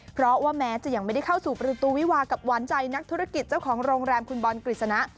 เพราะว่าแม้จะยังไม่ได้เข้าสู่ประตูวิวากับหวานใจนักธุรกิจเจ้าของโรงแรมคุณบอลกฤษณะ